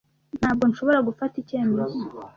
Ntabwo nshobora gufata icyemezo.